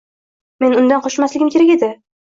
Men undan qochmasligim kerak edi!